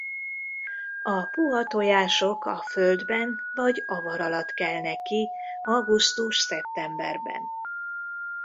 A puha tojások a földben vagy avar alatt kelnek ki augusztus-szeptemberben.